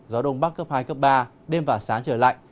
gió đông bắc cấp hai cấp ba đêm và sáng trời lạnh